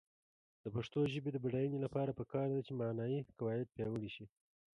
د پښتو ژبې د بډاینې لپاره پکار ده چې معنايي قواعد پیاوړې شي.